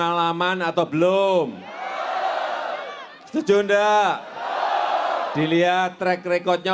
azan akan dilarang